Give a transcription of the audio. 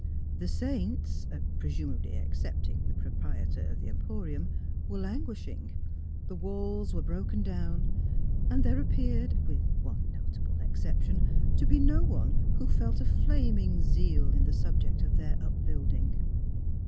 The Saints (presumably excepting the proprietor of the Emporium) were languishing; the walls were broken down, and there appeared (^vith one notable exception) to be 42 THE HEAET OF PHILUEA no one who felt a flaming zeal in the subject of their upbuilding.